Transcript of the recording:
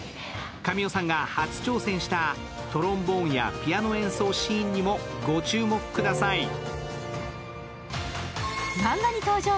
神尾さんが初挑戦したトロンボーンやピアノ演奏シーンにもご注目ください。